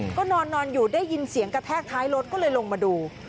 ก็นอนอยู่ได้ยินเสียงกระแทกท้ายรถก็เลยลงมาดู